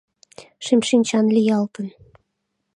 Шем шинчан лиялтын.